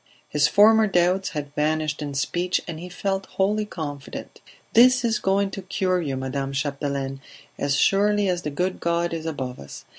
His former doubts had vanished in speech and he felt wholly confident. "This is going to cure you, Madame Chapdelaine, as surely as the good God is above us.